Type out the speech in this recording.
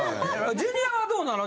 ジュニアはどうなの？